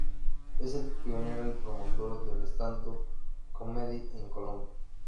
Es el pionero y promotor del Stand-up comedy en Colombia.